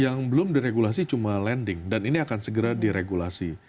yang belum diregulasi cuma landing dan ini akan segera diregulasi